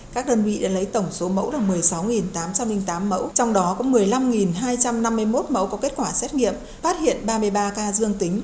các đơn vị đã lấy tổng số mẫu là một mươi sáu tám trăm linh tám mẫu trong đó có một mươi năm hai trăm năm mươi một mẫu có kết quả xét nghiệm phát hiện ba mươi ba ca dương tính